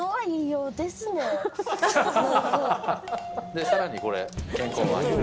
でさらにこれ。